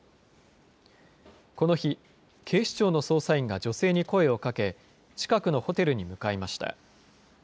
この日、警視庁の捜査員が女性に声をかけ、近くのホテルに向かいました。